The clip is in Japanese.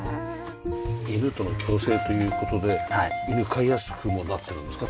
犬との共生という事で犬飼いやすくもなってるんですか？